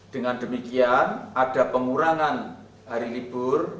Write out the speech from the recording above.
dengan demikian ada pengurangan hari libur